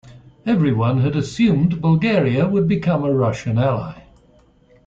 Everyone had assumed Bulgaria would become a Russian ally.